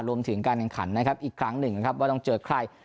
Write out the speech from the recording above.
รวมถึงการแข่งขันนะครับอีกครั้งหนึ่งนะครับว่าต้องเจอใคร